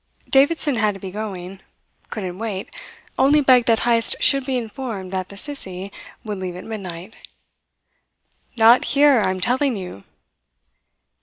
Davidson had to be going. Couldn't wait only begged that Heyst should be informed that the Sissie would leave at midnight. "Not here, I am telling you!"